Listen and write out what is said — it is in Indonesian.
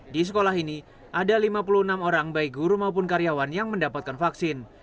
di sekolah ini ada lima puluh enam orang baik guru maupun karyawan yang mendapatkan vaksin